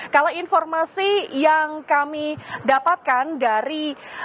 kalau informasi yang kami dapatkan dari